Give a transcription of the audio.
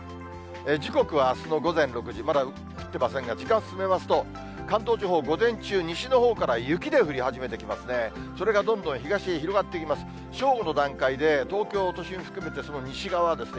時刻はあすの午前６時、まだ降ってませんが、時間進めますと、関東地方、午前中、西のほうから雪で降り始めてきますね。